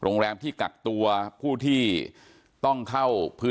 นี่นี่นี่นี่